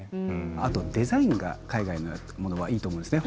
あとデザインが海外のものはいいと思いますね。